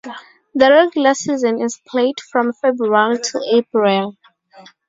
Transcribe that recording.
The regular season is played from February to April.